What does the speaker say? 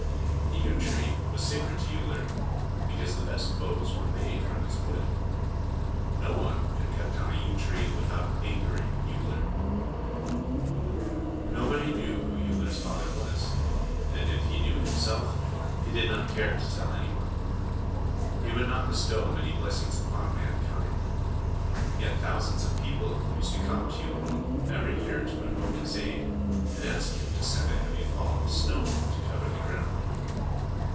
The yew tree was sacred to Uller, because the best bows were made from its wood. No one could cut down a yew tree without angering Uller. Nobody knew who Uller's father was, and if he knew himself, he did not care to tell any one. He would not bestow many blessings upon mankind; yet thousands of people used to come to Ulrum every year to invoke his aid and ask him to send a heavy fall of snow to cover the ground.